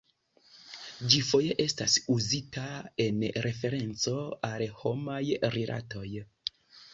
Ĝi foje estas uzita en referenco al homaj rilatoj.